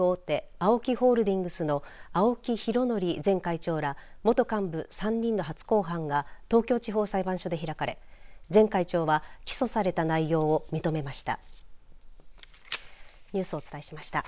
ＡＯＫＩホールディングスの青木拡憲前会長ら元幹部３人の初公判が東京地方裁判所で開かれ前会長は起訴された内容を認めました。